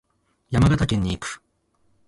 山形県に行く。